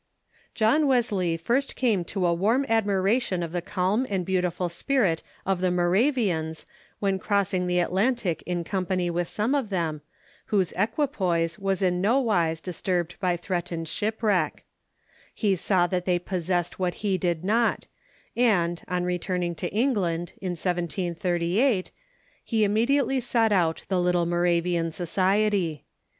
John Wesley first came to a Avarm admiration of the calm and beautiful spirit of the Moravians when crossing the Atlan tic in company with some of them, Avhose equipoise John Wesley '^^^^^^^^ wise distui'bed by threatened shipwreck, with the He saw that they possessed what he did not, and, on returning to England, in 1738, he immediately sought out the little Moravian society.